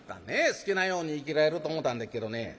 好きなように生きられると思たんでっけどね